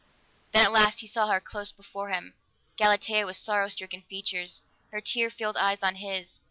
Then at last he saw her, close before him Galatea, with sorrow stricken features, her tear filled eyes on his.